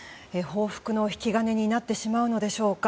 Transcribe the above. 報復の引き金になってしまうのでしょうか。